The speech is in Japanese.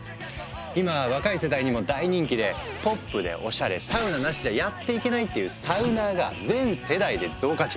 今若い世代にも大人気で「ポップでおしゃれ」「サウナなしじゃやっていけない」っていう「サウナー」が全世代で増加中。